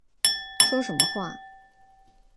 说什么话